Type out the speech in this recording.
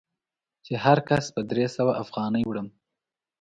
چې هر کس په درې سوه افغانۍ وړم.